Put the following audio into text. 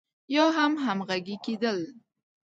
يا هم همغږي کېدل.